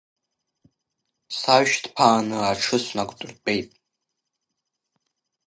Саҩшьҭԥааны аҽы снақәдыртәеит.